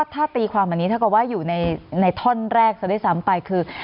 ถ้าตีความแบบนี้ถ้าอยู่ในท่อนแรกซะได้ซ้ำไปคือ